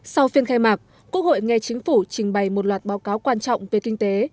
sau phiên khai mạc quốc hội nghe chính phủ trình bày một loạt báo cáo quan trọng về kinh tế